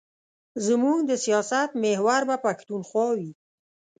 زموږ د سیاست محور به پښتونخوا وي.